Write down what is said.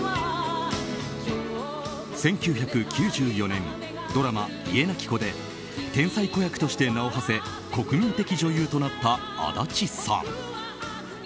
１９９４年ドラマ「家なき子」で天才子役として名を馳せ国民的女優となった安達さん。